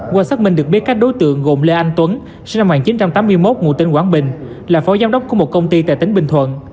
qua xác minh được biết các đối tượng gồm lê anh tuấn sinh năm một nghìn chín trăm tám mươi một ngụ tỉnh quảng bình là phó giám đốc của một công ty tại tỉnh bình thuận